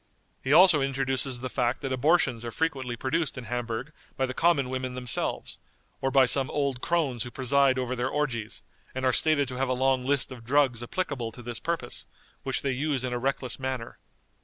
He also introduces the fact that abortions are frequently produced in Hamburg by the common women themselves, or by some old crones who preside over their orgies, and are stated to have a long list of drugs applicable to this purpose, which they use in a reckless manner.